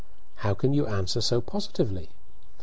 "How can you answer so positively?"